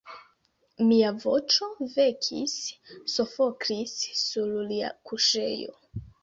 Mia voĉo vekis Sofoklis sur lia kuŝejo.